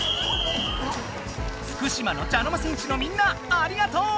福島の茶の間戦士のみんなありがとう！